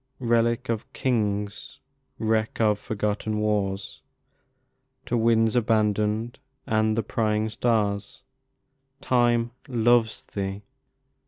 Relic of Kings! Wreck of forgotten wars, To winds abandoned and the prying stars, 10 Time 'loves' Thee!